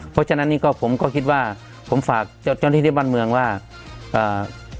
เพราะฉะนั้นนี่ก็ผมก็คิดว่าผมฝากเจ้าเจ้าหน้าที่ที่บ้านเมืองว่าอ่า